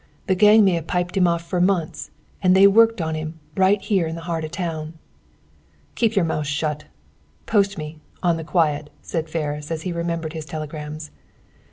The gang may have piped him off for months, and they worked on him, right here in the heart of town." "Keep your mouth shut. Post me, on the quiet," said Ferris, as he remembered his telegrams.